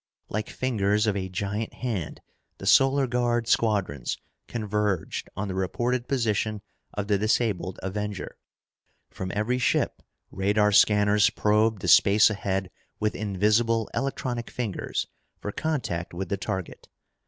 Like fingers of a giant hand, the Solar Guard squadrons converged on the reported position of the disabled Avenger. From every ship, radar scanners probed the space ahead with invisible electronic fingers for contact with the target.